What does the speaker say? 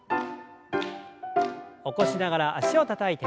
起こしながら脚をたたいて。